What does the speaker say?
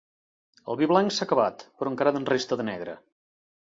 El vi blanc s'ha acabat, però encara en resta de negre.